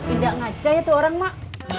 indah ngaca ya itu orang mak